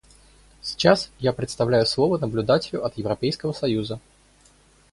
Сейчас я предоставляю слово наблюдателю от Европейского союза.